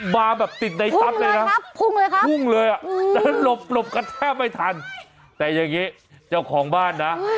มาแบบติดในตั๊บเลยนะพุ่งเลยอ่ะหลบกระแทบไม่ทันแต่อย่างนี้เจ้าของบ้านนะ